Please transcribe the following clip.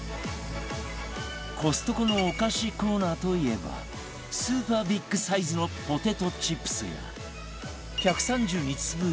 コストコのお菓子コーナーといえばスーパービッグサイズのポテトチップスや１３２粒入りコスパ